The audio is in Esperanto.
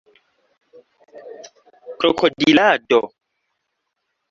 krokodilado